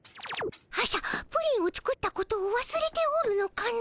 朝プリンを作ったことをわすれておるのかの？